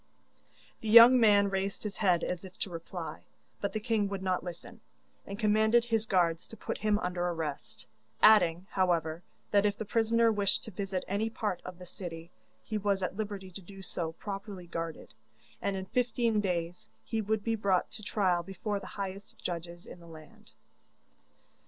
The young man raised his head as if to reply, but the king would not listen, and commanded his guards to put him under arrest, adding, however, that if the prisoner wished to visit any part of the city, he was at liberty to do so properly guarded, and in fifteen days he would be brought to trial before the highest judges in the land.